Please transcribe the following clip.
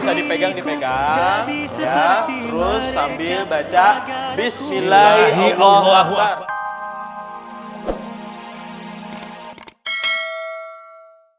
bisa dipegang dipegang ya terus sambil baca bismillahirrohmanirrohim